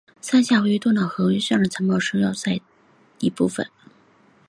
山下位于多瑙河和伊尔茨河汇流处的下城堡也是要塞系统的一部分。